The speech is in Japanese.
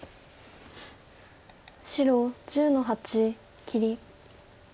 白１０の八切り。